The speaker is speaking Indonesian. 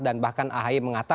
dan bahkan ahi mengatakan